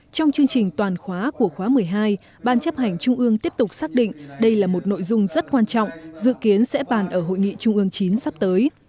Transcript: trong chương trình toàn khóa của khóa một mươi hai ban chấp hành trung ương tiếp tục xác định đây là một nội dung rất quan trọng dự kiến sẽ bàn ở hội nghị trung ương chín sắp tới